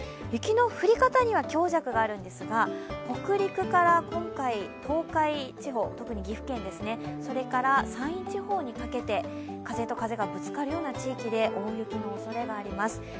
雪の降り方には強弱があるんですが、北陸から今回、東海地方、特に岐阜県、それから山陰地方にかけて風と風がぶつかるような地域で大雪のおそれがあります。